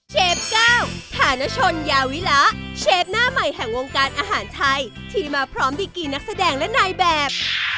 เชฟเก้าฐานชนยาวิระเชฟหน้าใหม่แห่งวงการอาหารไทยที่มาพร้อมดีกี่นักแสดงและนายแบบ